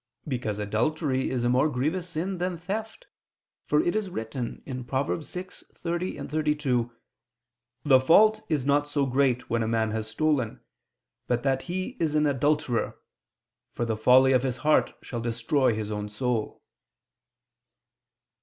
Because adultery is a more grievous sin than theft: for it is written (Prov. 6:30, 32): "The fault is not so great when a man has stolen ... but he that is an adulterer, for the folly of his heart shall destroy his own soul."